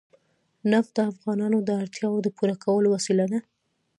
نفت د افغانانو د اړتیاوو د پوره کولو وسیله ده.